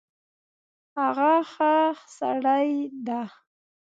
هغه ښه سړی ده